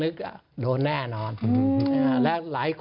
เอาสิ